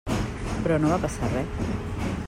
Però no va passar res.